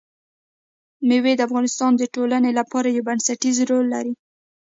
مېوې د افغانستان د ټولنې لپاره یو بنسټيز رول لري.